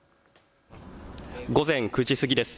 午前９時過ぎです。